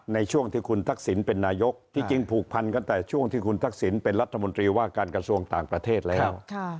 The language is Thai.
ในช่วงที่คุณทักษิณเป็นนายกที่จริงผูกพันกันแต่ช่วงที่คุณทักษิณเป็นรัฐมนตรีว่าการกระทรวงต่างประเทศแล้ว